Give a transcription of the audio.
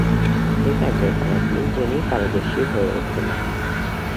এ কাজে তারা তিনজনই পারদর্শী হয়ে ওঠেন।